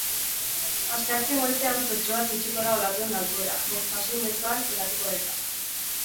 Asteazken goizean, zertxobait jaitsiko da olatuen altuera, bospasei metroan geratuko baita.